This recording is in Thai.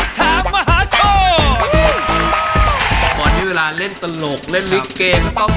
ใช่ค่ะหยุดค่ะ